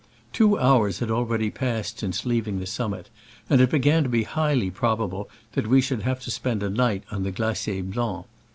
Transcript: Two hours had already passed since leaving the summit, and it began to be highly probable that we should have to spend a night on the Glacier Blanc.